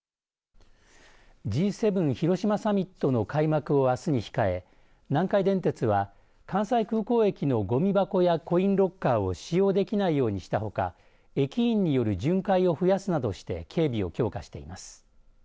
Ｇ７広島サミットの開幕をあすに控え南海電鉄は、関西空港駅のごみ箱やコインロッカーを使用できないようにしたほか駅員による巡回を増やすなどして警備を強化しています。